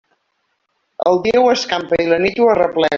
El dia ho escampa i la nit ho arreplega.